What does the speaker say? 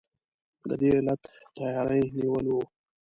د دې علت تیاری نیول وو.